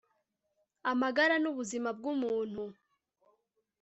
amagara n'ubuzima bw'umuntu